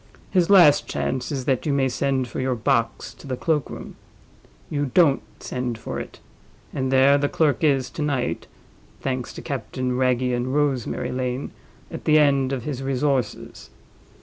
His last chance is that you may send for your box to the cloak room—you don't send for it—and there the clerk is to night (thanks to Captain Wragge and Rosemary Lane) at the end of his resources.